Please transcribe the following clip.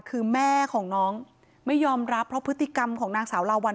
คือแม่ของน้องไม่ยอมรับเพราะพฤติกรรมของนางสาวลาวัล